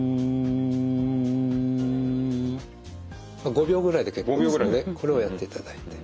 ５秒ぐらいで結構ですのでこれをやっていただいて。